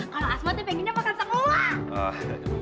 kalau asmatnya pengennya makan sekuat